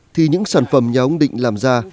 thì những sản phẩm nhà ông định làm ra